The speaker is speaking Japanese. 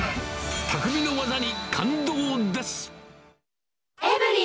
たくみの技に感動です。